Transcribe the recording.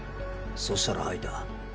そしたら吐いた。